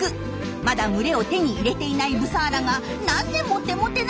まだ群れを手に入れていないブサーラがなぜモテモテなの？